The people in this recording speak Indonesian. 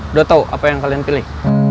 udah tahu apa yang kalian pilih